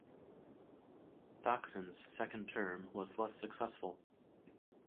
Thaksin's second term was less successful.